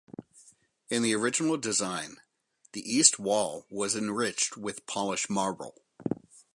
In the original design, the east wall was enriched with polished marble.